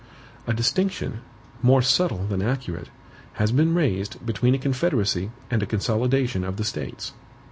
A distinction, more subtle than accurate, has been raised between a CONFEDERACY and a CONSOLIDATION of the States.